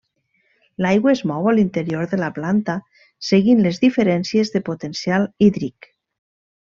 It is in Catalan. L'aigua es mou a l'interior de la planta seguint les diferències de potencial hídric.